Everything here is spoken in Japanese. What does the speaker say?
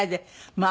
まあ